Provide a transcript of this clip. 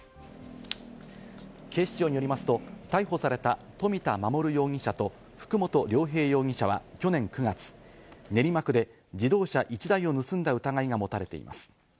警視庁によりますと逮捕された冨田守容疑者と福元涼平容疑者は去年９月、練馬区で自動車１台を盗んだ疑いが持たれています。